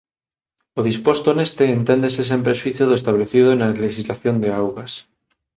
O disposto neste enténdese sen prexuízo do establecido na lexislación de augas.